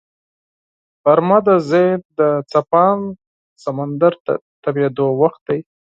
غرمه د ذهن د څپاند سمندر تمېدو وخت دی